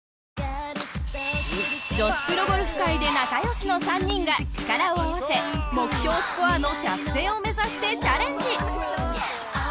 女子プロゴルフ界で仲良しの３人が力を合わせ目標スコアの達成を目指してチャレンジ！